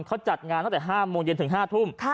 เขาจัดงานตั้งแต่๕โมงเย็นถึง๕ทุ่ม